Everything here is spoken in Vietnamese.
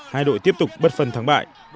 hai đội tiếp tục bất phần thắng bại